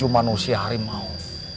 tujuh manusia harimau